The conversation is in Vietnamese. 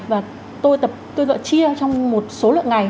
và tôi tập chia trong một số lượng ngày